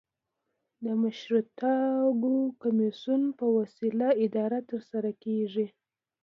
د مشترکو کمېسیونو په وسیله اداره ترسره کيږي.